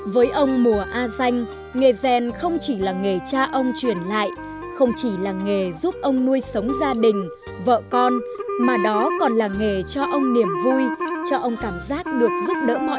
với ông mùa a danh nghề rèn không chỉ là nghề cha ông truyền lại không chỉ là nghề giúp ông nuôi sống gia đình vợ con mà đó còn là nghề cho ông niềm vui cho ông cảm giác được giúp đỡ mọi người